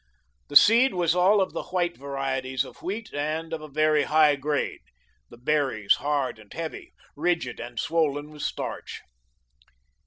The seed was all of the white varieties of wheat and of a very high grade, the berries hard and heavy, rigid and swollen with starch.